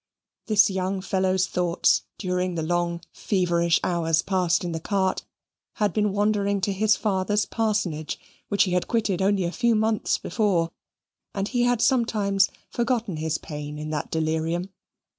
This young fellow's thoughts, during the long feverish hours passed in the cart, had been wandering to his father's parsonage which he had quitted only a few months before, and he had sometimes forgotten his pain in that delirium.